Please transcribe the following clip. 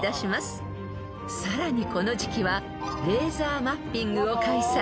［さらにこの時季はレーザーマッピングを開催］